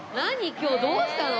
今日どうしたの？